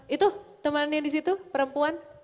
itu temannya disitu perempuan